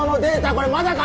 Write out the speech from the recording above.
これまだか？